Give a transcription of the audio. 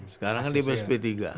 sekarang dia sp tiga